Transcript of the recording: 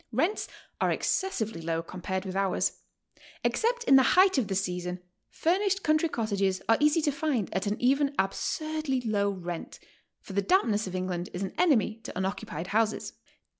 Rents are excessively low compared with ours. Except in the height of the season furnished country cottages are easy to find at an even ab surdly low rent, for t'he dampness of England is an enemy to unoccupied houses."